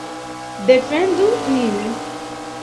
Defendu nin!